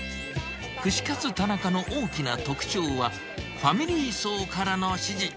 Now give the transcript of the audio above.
串カツ田中の大きな特徴は、ファミリー層からの支持。